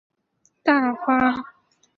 大花雀儿豆为豆科雀儿豆属下的一个种。